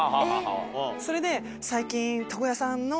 それで最近。